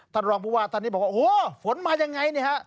ท่านรองผู้ว่าท่านนี้บอกว่าโอ้โหฝนมายังไงเนี่ยฮะ